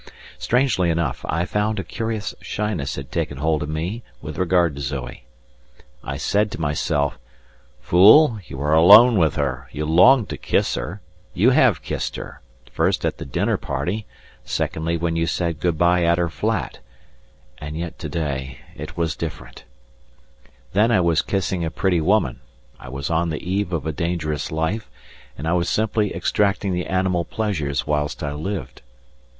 Strangely enough I found that a curious shyness had taken hold of me with regard to Zoe. I said to myself, "Fool! you are alone with her, you long to kiss her; you have kissed her, first at the dinner party, secondly when you said good bye at her flat," and yet to day it was different. Then I was kissing a pretty woman, I was on the eve of a dangerous life, and I was simply extracting the animal pleasures whilst I lived.